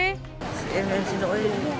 em xin lỗi